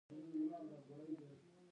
دوی خپلو موخو ته د رسیدو هڅه کوي.